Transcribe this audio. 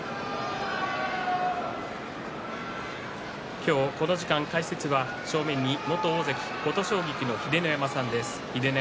今日、この時間、解説は正面に元大関琴奨菊の秀ノ山さんです。